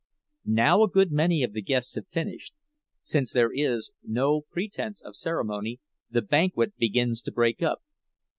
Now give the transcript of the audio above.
Now a good many of the guests have finished, and, since there is no pretense of ceremony, the banquet begins to break up.